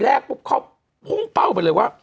แรกปุ๊บเขาพุ่งเป้าไปเลยว่า